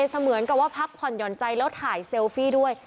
เหมือนกับว่าพักผ่อนหย่อนใจแล้วถ่ายเซลฟี่ด้วย